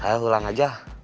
saya ulang aja